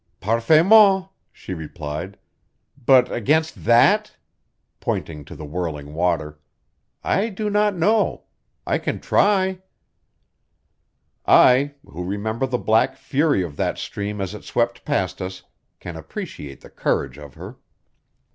"Parfaitement," she replied. "But against that" pointing to the whirling water "I do not know. I can try." I, who remember the black fury of that stream as it swept past us, can appreciate the courage of her.